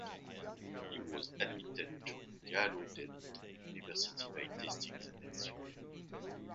He was admitted to Gallaudet University by testing the next year.